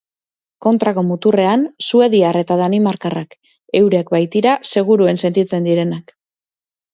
Kontrako muturrean, suediar eta danimarkarrak, eurek baitira seguruen sentitzen direnak.